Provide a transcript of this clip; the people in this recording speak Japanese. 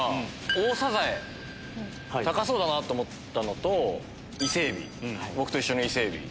大サザエ高そうだなと思ったのとイセエビ僕と一緒のイセエビ。